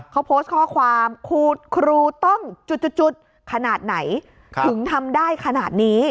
เขาโพสต์ข้อความครูต้องจุดจุดขนาดไหนถึงทำได้ขนาดนี้